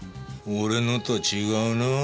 俺のとは違うなぁ。